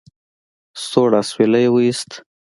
سوړ اسويلی يې ويست.